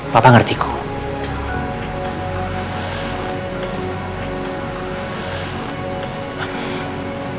papa ngerti kok